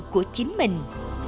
của chính mình